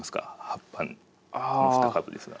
葉っぱこの２株ですが。